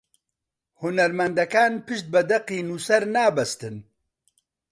هونەرمەندەکان پشت بە دەقی نووسەر نابەستن